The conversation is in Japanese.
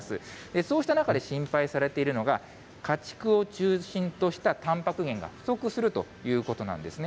そうした中で心配されているのが、家畜を中心としたたんぱく源が不足するということなんですね。